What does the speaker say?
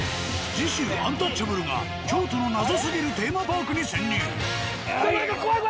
次週アンタッチャブルが京都の謎すぎるテーマパークに潜入。